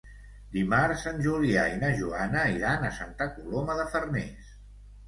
Dimarts en Julià i na Joana iran a Santa Coloma de Farners.